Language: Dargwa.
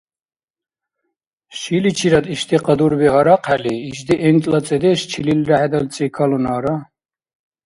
Шиличирад ишди кьадуби гьарахъхӀели, ишди гӀинтӀла цӀедеш чилилра хӀедалцӀи калунара?